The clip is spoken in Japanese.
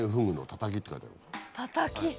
たたき？